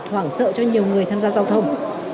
hoảng sợ cho nhiều người tham gia giao thông